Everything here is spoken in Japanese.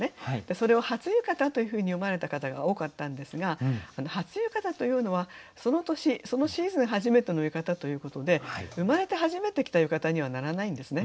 それを「初浴衣」というふうに詠まれた方が多かったんですが「初浴衣」というのはその年そのシーズン初めての浴衣ということで生まれて初めて着た浴衣にはならないんですね。